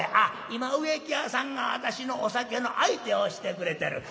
「今植木屋さんが私のお酒の相手をしてくれてる。